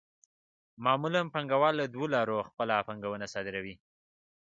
معمولاً پانګوال له دوو لارو خپله پانګه صادروي